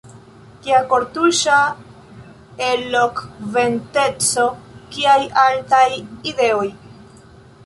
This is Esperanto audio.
Kia kortuŝa elokventeco; kiaj altaj idealoj!